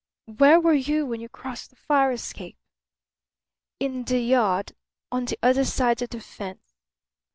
"Where were you when we crossed the fire escape?" "In the yard on the other side of the fence."